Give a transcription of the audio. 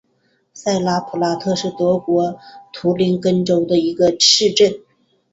萨莱普拉特是德国图林根州的一个市镇。